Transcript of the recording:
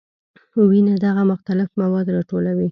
وینه دغه مختلف مواد راټولوي.